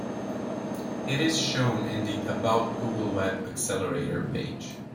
It is shown in the "About Google Web Accelerator" page.